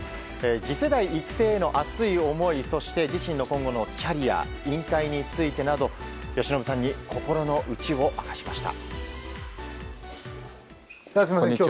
次世代育成への熱い思いそして、自身の今後のキャリア引退についてなど由伸さんに心の内を明かしました。